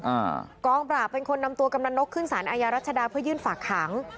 อ่ากองปราบเป็นคนนำตัวกำนันนกขึ้นสารอาญารัชดาเพื่อยื่นฝากขัง